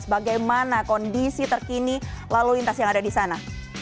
bagaimana kondisi terkini lalu lintas yang ada di sana